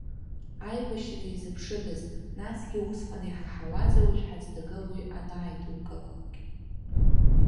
Аибашьра иазыԥшыдаз, насгьы усҟан иҳаҳауази уажә ҳазҭагылоуи анааидукылалакь.